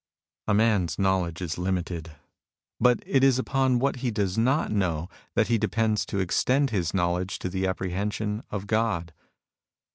A man's knowledge is limited ; but it is upon what he does not know that he depends to extend his knowledge to the apprehension of God.